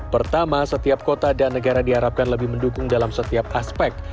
pertama setiap kota dan negara diharapkan lebih mendukung dalam setiap aspek